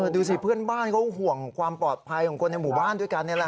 ดูสิเพื่อนบ้านเขาห่วงความปลอดภัยของคนในหมู่บ้านด้วยกัน